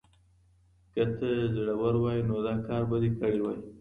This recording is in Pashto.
که ته زړور وای نو دا کار به دې کړی وای.